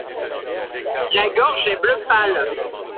La gorge est bleu pâle.